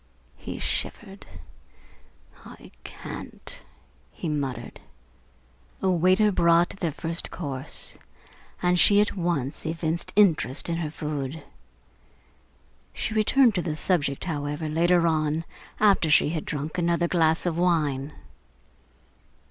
He shivered. "I can't!" he muttered. A waiter brought their first course, and she at once evinced interest in her food. She returned to the subject, however, later on, after she had drunk another glass of wine.